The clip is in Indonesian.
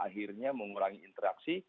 akhirnya mengurangi interaksi